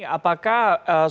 baik pak beni